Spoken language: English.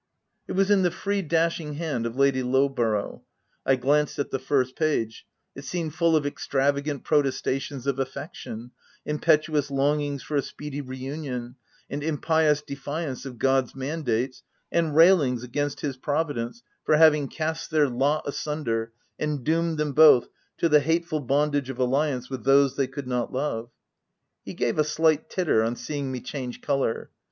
It was in the free, dashing hand of Lady Lowborough. I glanced at the first page ; it seemed full of extravagant protestations of affection ; impetuous longings for a speedy re union ; and impious defiance of God's man dates, and railings against his providence for having cast their lot asunder, and doomed them both to the hateful bondage of alliance with those they could not love. He gave a slight titter on seeing me change colour.